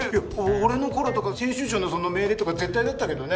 俺の頃とか編集長の命令とか絶対だったけどね。